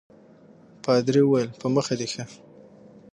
پادري وویل په مخه دي ښه.